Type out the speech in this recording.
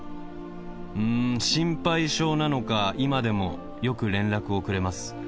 うーん心配性なのか今でもよく連絡をくれます。